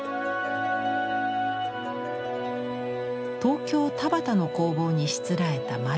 東京・田端の工房にしつらえた「丸窯」。